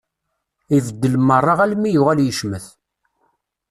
Ibeddel merra almi yuɣal yecmet.